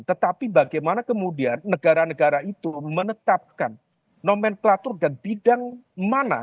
tetapi bagaimana kemudian negara negara itu menetapkan nomenklatur dan bidang mana